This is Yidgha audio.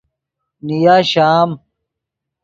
نیا شام